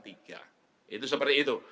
itu seperti itu